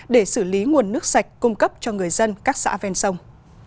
để xử lý nguồn nước sạch cung cấp cho người dân các xã ven sông